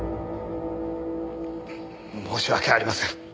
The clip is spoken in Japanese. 申し訳ありません。